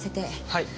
はい。